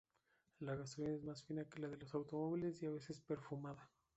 La gasolina es más fina que la de los automóviles y a veces perfumada.